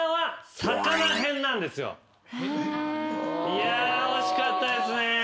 いや惜しかったですね。